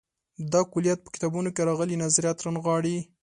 دا کُلیت په کتابونو کې راغلي نظریات رانغاړي.